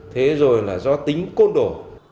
thế rồi là do tính côn đồ